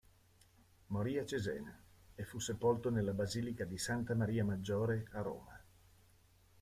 Morì a Cesena e fu sepolto nella basilica di Santa Maria Maggiore a Roma.